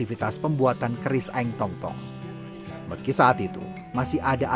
era kemerdekaan penjara belanda